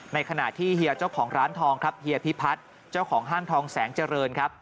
ในขณะที่เฮียเจ้าของร้านทองครับเฮียพิพัฒน์เจ้าของห้างทองแสงเจริญครับ